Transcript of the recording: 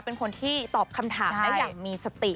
เป็นคนที่ตอบคำถามได้อย่างมีสติ